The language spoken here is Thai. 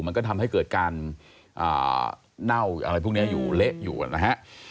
มันก็ทำให้เกิดการเน่าอะไรพวกนี้อยู่เละอยู่นะฮะ